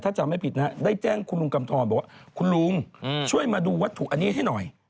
ถ้าจำไม่ผิดนะได้แจ้งคุณลุงกำทรบอกว่าคุณลุงช่วยมาดูวัตถุอันนี้ให้หน่อย